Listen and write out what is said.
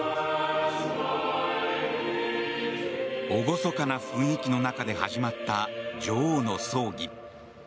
厳かな雰囲気の中で始まった女王の葬儀。